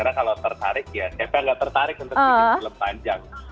karena kalau tertarik ya saya nggak tertarik untuk bikin film panjang